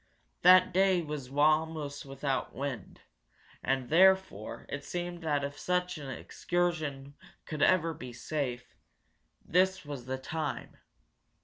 That day was almost without wind, and therefore it seemed that if such an excursion could ever be safe, this was the time.